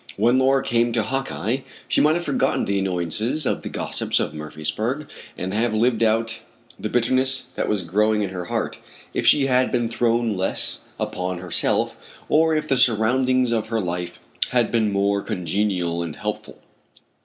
When Laura came to Hawkeye she might have forgotten the annoyances of the gossips of Murpheysburg and have out lived the bitterness that was growing in her heart, if she had been thrown less upon herself, or if the surroundings of her life had been more congenial and helpful.